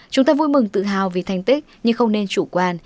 chúng ta vui mừng tự hào vì thành tích nhưng không nên chủ quan